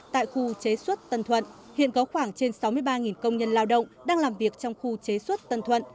tại khu chế xuất tân thuận hiện có khoảng trên sáu mươi ba công nhân lao động đang làm việc trong khu chế xuất tân thuận